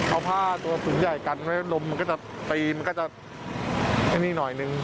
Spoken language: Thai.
เอาผ้าตัวฝุ่นใหญ่กันมันก็จะปีนมันก็จะนี่หน่อยหนึ่ง